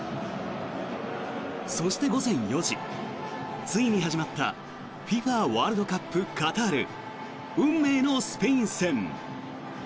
そして午前４時ついに始まったＦＩＦＡワールドカップカタール運命のスペイン戦。